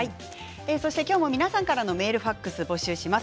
今日も皆さんからのメール、ファックスを募集します。